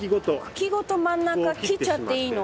茎ごと真ん中切っちゃっていいの？